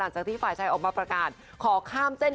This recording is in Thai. และก็จะอยู่เสียบรองดัวมามินสัน